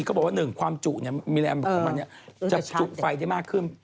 เขาบอกว่า๑ความจุมีแรมของมันจะจุไฟได้มากขึ้น